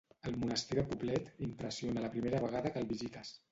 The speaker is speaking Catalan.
El monestir de Poblet impressiona la primera vegada que el visites.